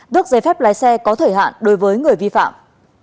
tước giấy phép lái xe có thời hạn đối với người vi phạm